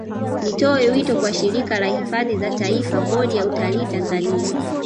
Nitoe wito kwa Shirika la Hifadhi za Taifa Bodi ya Utalii Tanzania